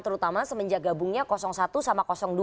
terutama semenjak gabungnya satu sama dua